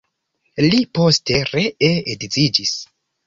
Li poste ree edziĝis.